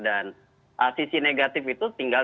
dan sisi negatif itu tinggal